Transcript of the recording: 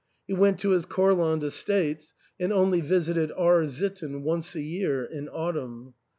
He went to his Courland estates, and only visited R — sitten once a year, in autumn.